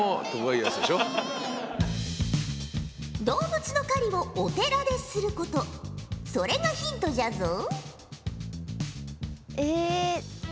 動物の狩りをお寺ですることそれがヒントじゃぞう。